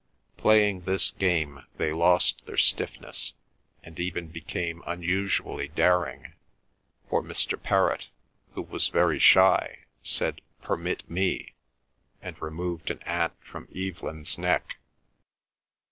Playing this game they lost their stiffness, and even became unusually daring, for Mr. Perrott, who was very shy, said, "Permit me," and removed an ant from Evelyn's neck.